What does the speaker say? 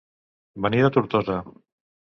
Venir de Tortosa.